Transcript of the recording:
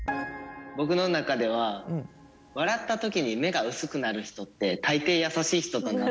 僕の中では笑った時に目が薄くなる人って大抵優しい人だなって。